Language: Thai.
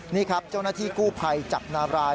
นี่ครับเจ้าหน้าที่กู้ภัยจากนาราย